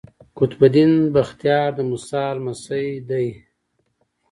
قطب الدین بختیار د موسی لمسی دﺉ.